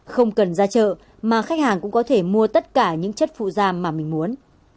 không cần ra chợ mà khách hàng cũng có thể mua tất cả những chất phụ da mà mình muốn